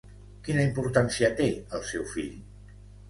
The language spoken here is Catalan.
Quina importància té el seu fill?